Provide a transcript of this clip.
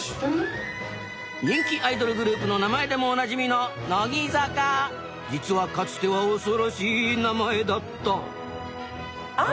人気アイドルグループの名前でもおなじみの「乃木坂」実はかつては恐ろしい名前だったあ！